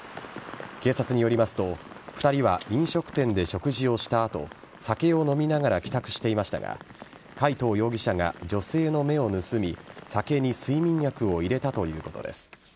警察によりますと２人は飲食店で食事をした後酒を飲みながら帰宅していましたか海藤容疑者が女性の目を盗み酒に睡眠薬を入れたということです。